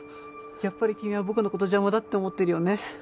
やっぱり君は僕の事邪魔だって思ってるよね。